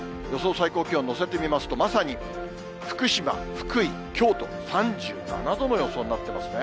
最高気温載せてみますと、まさに福島、福井、京都３７度の予想になってますね。